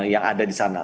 yang ada di sana